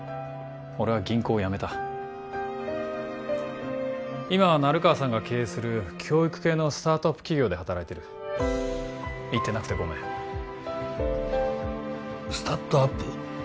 俺は銀行を辞めた今は成川さんが経営する教育系のスタートアップ企業で働いてる言ってなくてごめんスタットアップ？